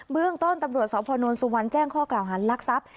เรื่องต้นตำรวจสพนสุวรรณแจ้งข้อกล่าวหาลักทรัพย์